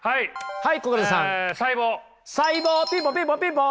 はい。